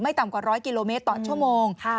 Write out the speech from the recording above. ต่ำกว่า๑๐๐กิโลเมตรต่อชั่วโมง